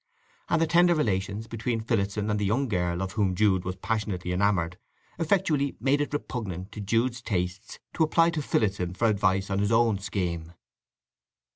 And the tender relations between Phillotson and the young girl of whom Jude was passionately enamoured effectually made it repugnant to Jude's tastes to apply to Phillotson for advice on his own scheme.